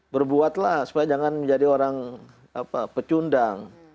berbuatlah supaya jangan menjadi orang pecundang